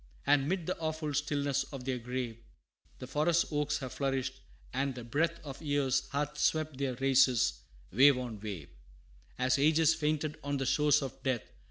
And 'mid the awful stillness of their grave, The forest oaks have flourished; and the breath Of years hath swept their races, wave on wave, As ages fainted on the shores of death.